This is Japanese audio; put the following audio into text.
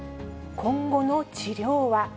今後の治療は？